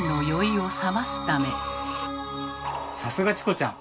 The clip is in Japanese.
さすがチコちゃん！